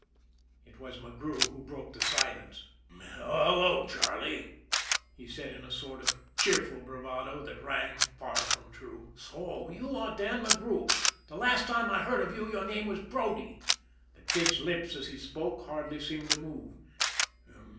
It was McGrew who broke the silence. "Hello, Charlie!" he said in a sort of cheerful bravado, that rang far from true. "So you are Dan McGrew! The last time I heard of you your name was Brodie." The Kid's lips, as he spoke, hardly seemed to move.